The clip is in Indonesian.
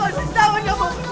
aduh tawar tawar